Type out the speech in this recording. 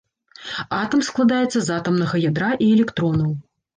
Атам складаецца з атамнага ядра і электронаў.